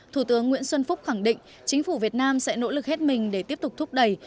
thủ tướng nguyễn xuân phúc khẳng định chính phủ việt nam sẽ nỗ lực hết mình để tiếp tục thúc đẩy